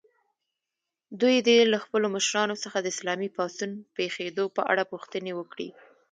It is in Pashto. دوی دې له خپلو مشرانو څخه د اسلامي پاڅون پېښېدو په اړه پوښتنې وکړي.